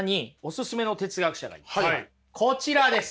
こちらです！